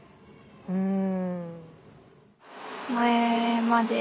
うん。